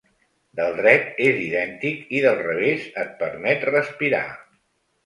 Del dret és idèntic i del revés et permet respirar.